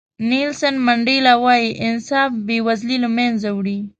نیلسن منډیلا وایي انصاف بې وزلي له منځه وړي.